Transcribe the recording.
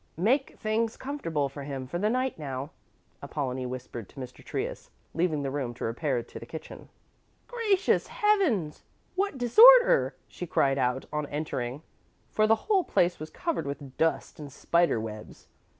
"Make things comfortable for him for the night now," Apollonie whispered to Mr. Trius, leaving the room to repair to the kitchen. "Gracious heavens! what disorder," she cried out on entering, for the whole place was covered with dust and spider webs.